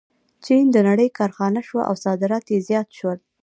چین د نړۍ کارخانه شوه او صادرات یې زیات شول.